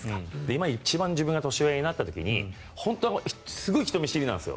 今、一番自分が年上になった時に本当はすごい人見知りなんです。